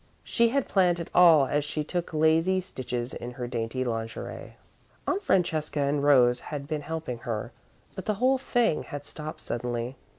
She had planned it all as she took lazy stitches in her dainty lingerie. Aunt Francesca and Rose had been helping her, but the whole thing had stopped suddenly.